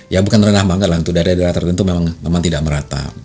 ya bukan rendah banget lah untuk daerah daerah tertentu memang tidak merata